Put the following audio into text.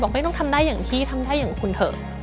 ไม่ต้องทำได้อย่างพี่ทำได้อย่างคุณเถอะ